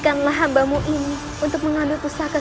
ternyata kau yang menyusup ke istanaku